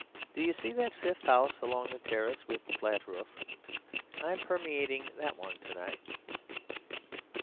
Do you see that fifth house along the terrace with the flat roof? I'm permeating that one to night.